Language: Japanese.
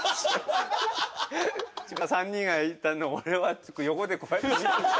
３人がいたんで俺は横でこうやって見て。